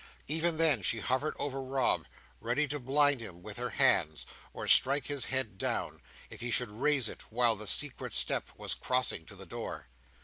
Even then, she hovered over Rob, ready to blind him with her hands, or strike his head down, if he should raise it while the secret step was crossing to the door.